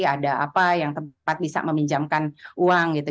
ada apa yang tempat bisa meminjamkan uang gitu